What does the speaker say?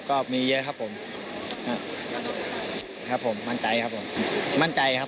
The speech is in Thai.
ก็มีเยอะครับผม